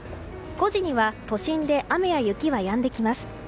５時には都心で雨や雪はやんできます。